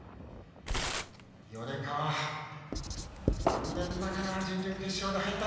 米川、残念ながら準々決勝敗退。